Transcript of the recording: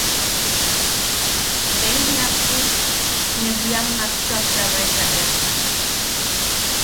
Bem jiapsi ne bwiamak chuʼaktabaeka ea.